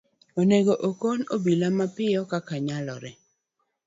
Onego okon obila mapiyo kaka nyalore.